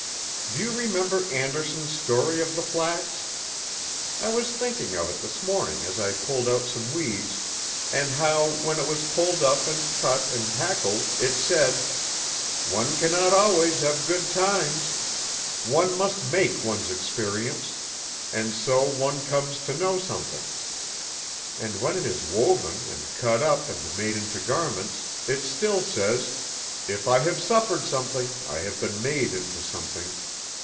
Do you remember Andersen's story of the flax? I was thinking of it this morning as I pulled out some weeds, and how when it was pulled up and cut and hackled, it said: 'One cannot always have good times. One must make one's experience, and so one comes to know something;' and when it is woven and cut up and made into garments, it still says, 'If I have suffered something, I have been made into something.